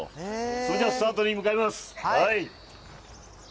それじゃあスタートに向かいます。